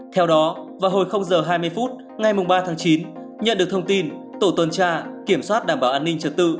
theo đó vào hồi h hai mươi phút ngày ba tháng chín nhận được thông tin tổ tuần tra kiểm soát đảm bảo an ninh trật tự